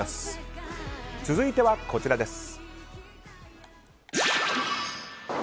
続いてはこちらです。